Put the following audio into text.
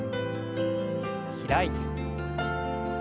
開いて。